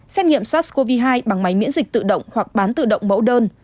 xét nghiệm sars cov hai bằng máy miễn dịch tự động hoặc bán tự động mẫu đơn